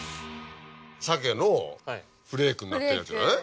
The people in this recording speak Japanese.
鮭のフレークになってるやつじゃない？